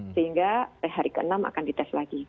sehingga hari ke enam akan di tes lagi